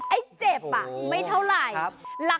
ไอ้เจ็บไม่เท่าไหร่